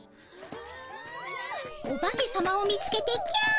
お化けさまを見つけてキャ！